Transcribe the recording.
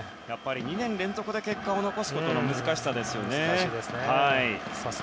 ２年連続で結果を残すことの難しさですよね。